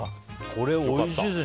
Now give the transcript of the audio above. これおいしいですね。